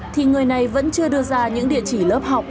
thì người này vẫn chưa đưa ra những địa chỉ lớp học